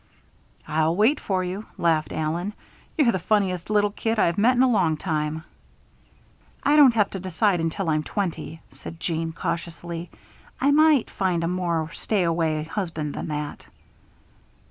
"I'll wait for you," laughed Allen. "You're the funniest little kid I've met in a long time." "I don't have to decide until I'm twenty," said Jeanne, cautiously. "I might find a more stay away husband than that."